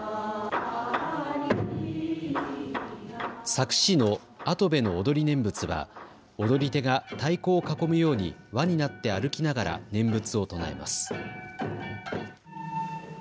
佐久市の跡部の踊り念仏は踊り手が太鼓を囲むように輪になって歩きながら念仏を唱えます。